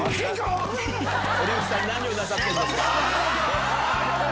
堀内さん何をなさってるんですか？